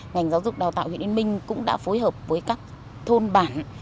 ngành giáo dục đào tạo huyện yên minh cũng đã phối hợp với các thôn bản